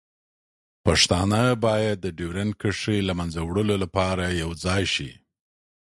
پښتانه باید د ډیورنډ کرښې له منځه وړلو لپاره یوځای شي.